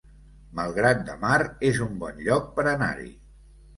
Malgrat de Mar es un bon lloc per anar-hi